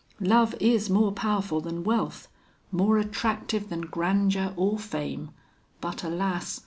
Love is more powerful than wealth more attractive than grandeur or fame; but, alas!